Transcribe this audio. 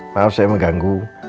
maaf saya mengganggu